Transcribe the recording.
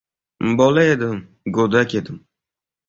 Bola edim, go‘dak edim.